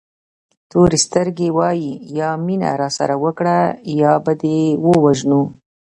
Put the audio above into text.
تورې سترګې وایي یا مینه راسره وکړه یا به دې ووژنو.